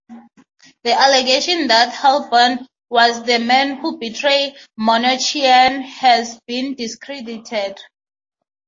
The allegation that Holban was the man who betrayed Manouchian has been discredited.